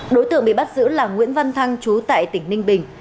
đối tượng bị bắt giữ là nguyễn văn thăng chú tại tỉnh ninh bình